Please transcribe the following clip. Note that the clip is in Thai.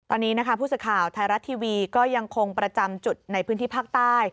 ตอนนี้นะคะผู้สื่อข่าวไทยรัฐทีวีก็ยังคงประจำจุดในพื้นที่ภาคใต้